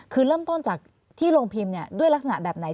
คือเริ่มต้นจากที่โรงพิมพ์ด้วยลักษณะแบบไหน